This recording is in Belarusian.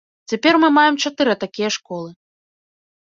Цяпер мы маем чатыры такія школы.